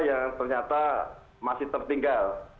yang ternyata masih tertinggal